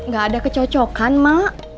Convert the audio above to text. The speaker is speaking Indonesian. gak ada kecocokan mak